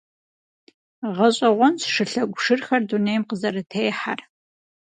Гъэщӏэгъуэнщ шылъэгу шырхэр дунейм къызэрытехьэр.